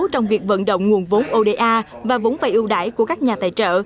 trong việc vận động nguồn vốn oda và vốn vay ưu đãi của các nhà tài trợ